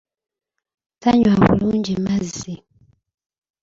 Tanywa bulungi mazzi.